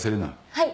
はい。